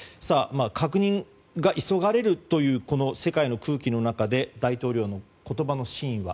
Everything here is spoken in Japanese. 確認が急がれるという世界の空気の中で大統領の言葉の真意は？